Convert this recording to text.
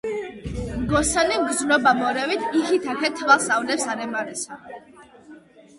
მგოსანი გრძნობამორევით იქით აქეთ თვალს ავლებს არემარესა.